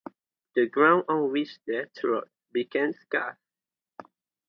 The ground on which they trod became sacred.